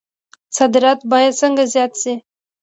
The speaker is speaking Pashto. صادرات باید څنګه زیات شي؟